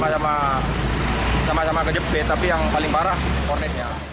sama sama kejepit tapi yang paling parah kornetnya